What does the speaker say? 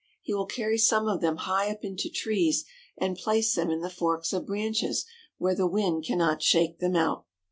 He will carry some of them high up into trees and place them in the forks of branches, where the wind cannot shake them out.